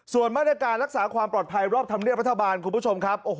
ส่วนมาตรการรักษาความปลอดภัยรอบธรรมเนียบรัฐบาลคุณผู้ชมครับ